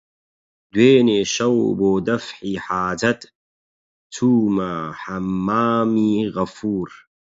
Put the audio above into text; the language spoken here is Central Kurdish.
دوێنێ شەو بۆ دەفعی حاجەت چوومە حەممامی غەفوور